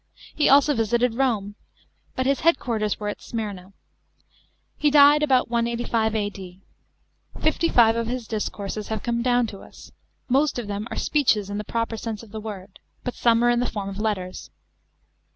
He also visited Rome. But his head quarters were at Smyrna. He died about 185 A.D. Fifty five of his discourses nave come down to us ; most of them are speeches in the proper .sense of the word, but some are in the form of letters.